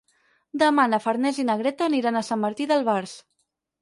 Demà na Farners i na Greta aniran a Sant Martí d'Albars.